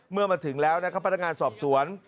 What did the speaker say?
เมื่อมาถึงแล้วนะครับพนักงานสอบสวน